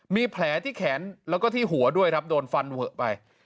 มีแผลที่แขนแล้วก็ที่หัวด้วยครับโดนฟันเวอะไป